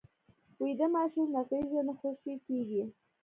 ویده ماشوم له غېږه نه خوشې کېږي